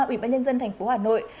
ubnd thành phố hà nội